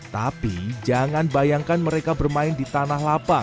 tapi jangan bayangkan mereka bermain di tanah lapang